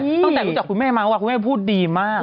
ตั้งแต่รู้จักคุณแม่มาเมื่อวานคุณแม่พูดดีมาก